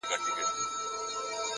پوهه د شکونو ریښې کمزورې کوي.